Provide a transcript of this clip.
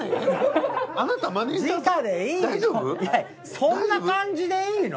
そんな感じでいいの？